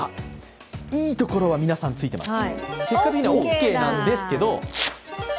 いいところは皆さんついています。